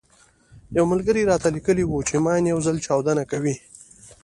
يو ملګري راته ليکلي وو چې ماين يو ځل چاودنه کوي.